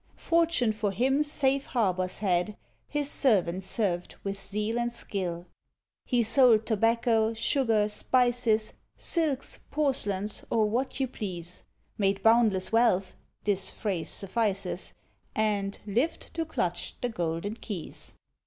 Fortune for him safe harbours had; His servants served with zeal and skill. He sold tobacco, sugar, spices, Silks, porcelains, or what you please; Made boundless wealth (this phrase suffices), And "lived to clutch the golden keys."